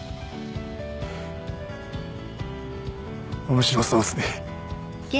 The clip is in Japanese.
面白そうっすね